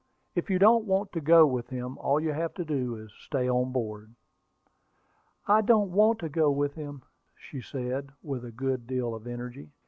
"If you don't want to go with him, all you have to do is to stay on board." "I don't want to go with him," said she, with a good deal of energy.